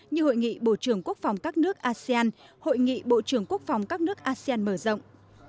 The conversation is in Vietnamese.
như hội nghị bộ trưởng quốc phòng các nước asean hội nghị bộ trưởng quốc phòng các nước asean mở rộng